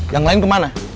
yang lain kemana